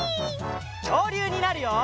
きょうりゅうになるよ！